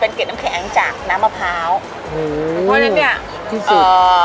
เป็นเก็ดน้ำแข็งจากน้ำมะพร้าวเพราะฉะนั้นเนี้ยที่สุดเอ่อ